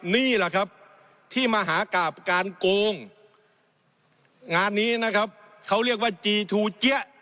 นี่แหละครับที่มหากราบการโกงงานนี้นะครับเขาเรียกว่าจีทูเจี๊ยะ